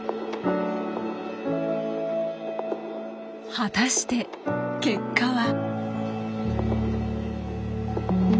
果たして結果は？